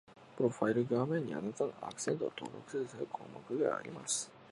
プロファイル画面に、あなたのアクセントを登録する項目があります